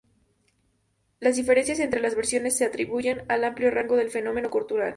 Las diferencias entre las versiones se atribuyen al amplio rango del fenómeno cultural.